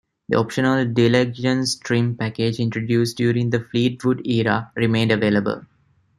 The optional "d'Elegance" trim package introduced during the Fleetwood era remained available.